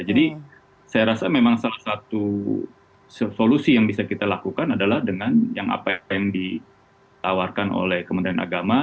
jadi saya rasa memang salah satu solusi yang bisa kita lakukan adalah dengan apa yang ditawarkan oleh kementerian agama